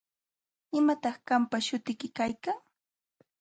¿Imataq qampa śhutiyki kaykan?